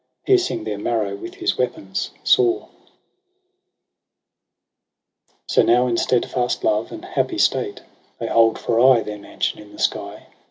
Piercing their marrow with his weapons sore. ZI4. EROS es? PSYCHE ay So now In steadfast love and happy state They hold for aye their mansion in the sky.